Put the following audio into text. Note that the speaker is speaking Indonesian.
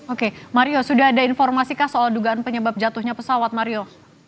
oke mario sudah ada informasikah soal dugaan penyebab jatuhnya pesawat mario